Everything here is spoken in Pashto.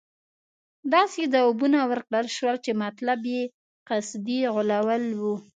داسې ځوابونه ورکړل شول چې مطلب یې قصدي غولول وو.